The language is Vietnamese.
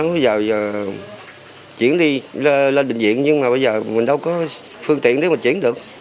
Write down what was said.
bây giờ chuyển đi lên bệnh viện nhưng mà bây giờ mình đâu có phương tiện để mà chuyển được